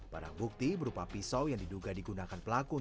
barang bukti berupa pisau yang diduga digunakan pelaku